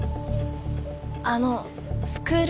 あのスクール